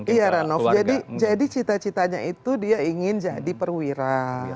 iya ranof jadi cita citanya itu dia ingin jadi perwira